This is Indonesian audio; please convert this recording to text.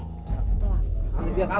tidak bisa bos